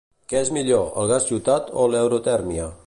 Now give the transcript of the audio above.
Què és millor, el gas ciutat o l'aerotèrmia?